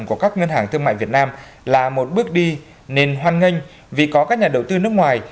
của các ngân hàng thương mại việt nam là một bước đi nên hoan nghênh vì có các nhà đầu tư nước ngoài